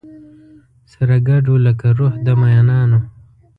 سره ګډو لکه روح د مینانو